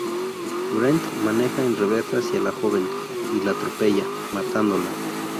Brent maneja en reversa hacia la joven y la atropella, matándola.